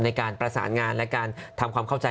ในการประสานงานและการทำความเข้าใจ